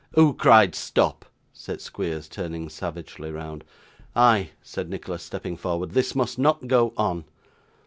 'Who cried stop?' said Squeers, turning savagely round. 'I,' said Nicholas, stepping forward. 'This must not go on.